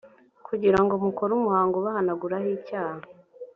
kugira ngo mukore umuhango ubahanaguraho icyaha.